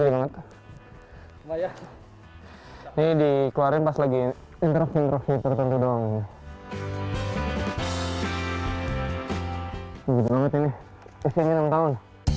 ini dikeluarin pas lagi intros introsi tertentu doang